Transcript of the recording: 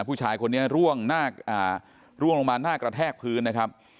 ผู้ชายคนนี้ร่วงลงมาหน้ากระแทกพื้นนะครับ